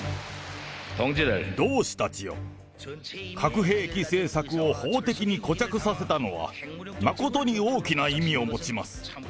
同志たちよ、核兵器政策を法的に固着させたのは、誠に大きな意味を持ちます。